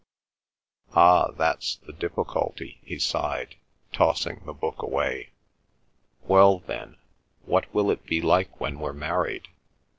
"Ah, that's the difficulty!" he sighed, tossing the book away. "Well, then, what will it be like when we're married?